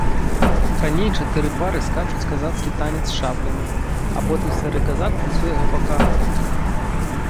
Раней чатыры пары скачуць казацкі танец з шаблямі, а потым стары казак танцуе гапака.